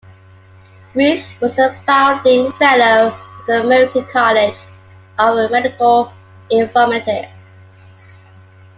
Ruth was a founding Fellow of the American College of Medical Informatics.